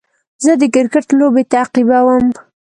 زه د کرکټ لوبې تعقیبوم.